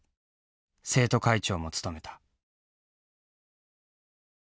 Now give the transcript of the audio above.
生徒会長も務めた。